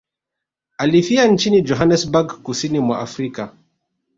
Alifia nchini Johannesburg kusini mwa Afrika